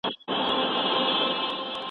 اوس مخکې له پرېکړې ډېر فکر کوم.